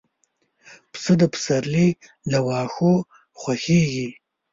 پسه د پسرلي له واښو خوښيږي.